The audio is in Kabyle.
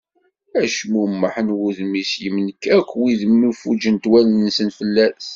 Acmummeḥ n wudem-is yemlek akk wid mi fuǧent wallen-nsen fell-as.